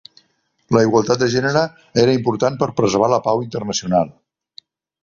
La igualtat de gènere era important per preservar la pau internacional.